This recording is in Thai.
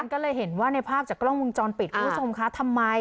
ก็เลยเห็นว่าในภาพจากกล้องวงจรปิดคุณผู้ชมคะทำไม